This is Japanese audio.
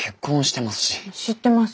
知ってます。